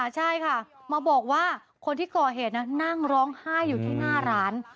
ใช่ค่ะมาบอกว่าคนที่ก่อเหตุนั่งร้องไห้อยู่ที่หน้าร้าน